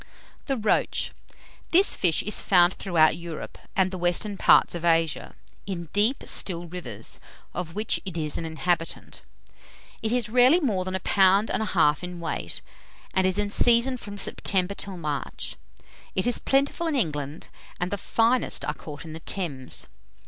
THE ROACH. This fish is found throughout Europe, and the western parts of Asia, in deep still rivers, of which it is an inhabitant. It is rarely more than a pound and a half in weight, and is in season from September till March. It is plentiful in England, and the finest are caught in the Thames.